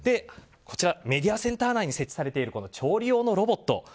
こちら、メディアセンター内に設置されている調理用のロボット。